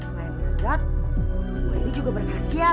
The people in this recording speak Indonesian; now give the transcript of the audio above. lain lezat gua ini juga berkhasiat